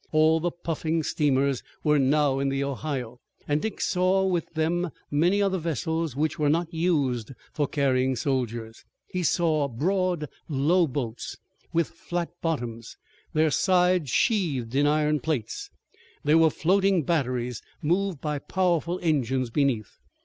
All the puffing steamers were now in the Ohio, and Dick saw with them many other vessels which were not used for carrying soldiers. He saw broad, low boats, with flat bottoms, their sides sheathed in iron plates. They were floating batteries moved by powerful engines beneath.